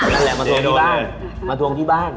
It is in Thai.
นั่นแหละมาทวงที่บ้าน